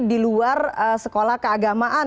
di luar sekolah keagamaan